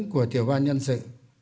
của tiểu ban nhân sự